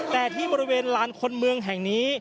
แต่ที่บริเวณลานคนเมืองแห่งนี้